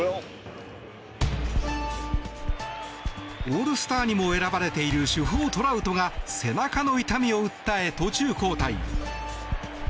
オールスターにも選ばれている主砲・トラウトが背中の痛みを訴え、途中交代。